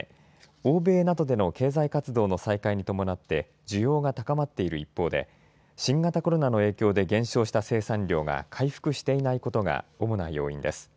欧米などでの経済活動の再開に伴って需要が高まっている一方で新型コロナの影響で減少した生産量が回復していないことが主な要因です。